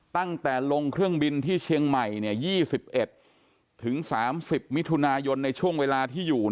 ตั้งแต่ลงเครื่องบินที่เชียงใหม่๒๑ถึง๓๐มิถุนายนในช่วงเวลาที่อยู่